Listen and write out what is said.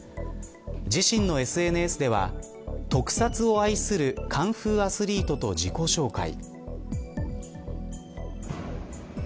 自身のＳＮＳでは特撮を愛するカンフーアスリートと自己紹介。